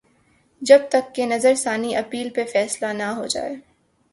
جب تک کہ نظر ثانی اپیل پہ فیصلہ نہ ہوجائے۔